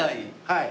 はい。